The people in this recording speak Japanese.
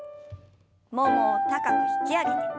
ももを高く引き上げて。